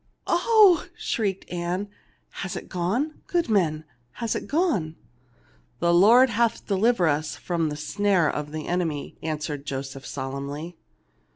"Oh V 9 shrieked Ann, "has it gone ? Good man, has it gone ?"" The Lord hath delivered us from the snare of the enemy," answered Joseph, solemnly.